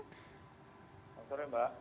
selamat sore mbak